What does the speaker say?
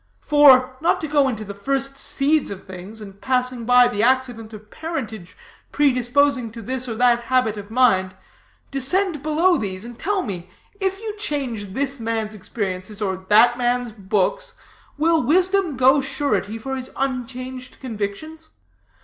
For, not to go into the first seeds of things, and passing by the accident of parentage predisposing to this or that habit of mind, descend below these, and tell me, if you change this man's experiences or that man's books, will wisdom go surety for his unchanged convictions?